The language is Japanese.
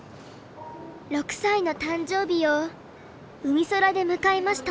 ６歳の誕生日をうみそらで迎えました。